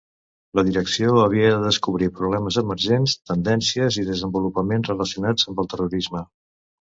La Direcció havia de descobrir problemes emergents, tendències i desenvolupaments relacionats amb el terrorisme.